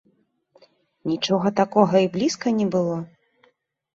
Нічога такога і блізка не было.